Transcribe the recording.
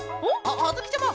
あづきちゃま！